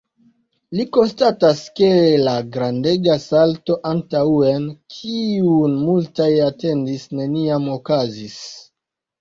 Li konstatas, ke la grandega salto antaŭen, kiun multaj atendis, neniam okazis.